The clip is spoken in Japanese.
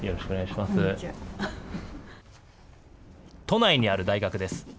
都内にある大学です。